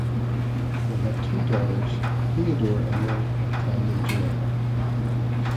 They had two daughters, Theodora Emily and Tandy Johanna.